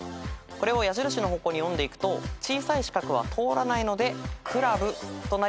これを矢印の方向に読んでいくと小さい四角は通らないので「クラブ」となりイラストと一致するわけです。